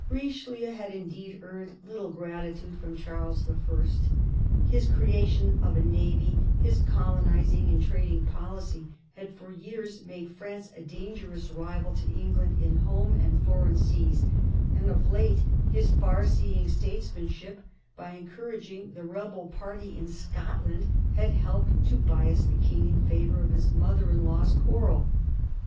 Richelieu had indeed earned little gratitude from Charles I. His creation of a navy, his colonising and trading policy, had for years made France a dangerous rival to England in home and foreign seas, and of late his far seeing states manship, by encouraging the rebel party in Scotland, had helped to bias the King in favour of his mother in law's quarrel.